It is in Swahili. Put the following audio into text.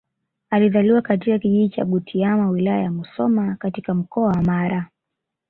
Alizaliwa katika kijiji cha Butiama Wilaya ya Musoma katika Mkoa wa Mara